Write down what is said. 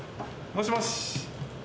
もしもし。